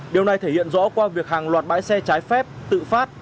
điều này thể hiện rõ qua việc hàng loạt bãi xe trái phép tự phát